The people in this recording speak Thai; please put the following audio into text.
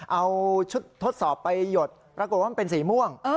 เอาชุดทดสอบไปหยดปรากฏว่ามันเป็นสีม่วง